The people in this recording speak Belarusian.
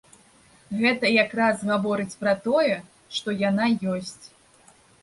Гэта якраз гаворыць пра тое, што яна ёсць.